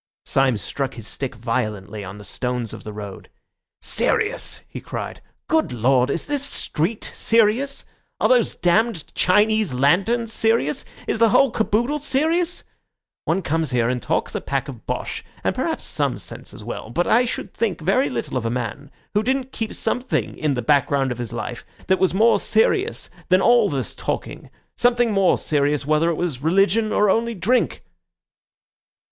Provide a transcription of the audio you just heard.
Syme struck his stick violently on the stones of the road. "Serious!" he cried. "Good Lord! is this street serious? Are these damned Chinese lanterns serious? Is the whole caboodle serious? One comes here and talks a pack of bosh, and perhaps some sense as well, but I should think very little of a man who didn't keep something in the background of his life that was more serious than all this talking—something more serious, whether it was religion or only drink."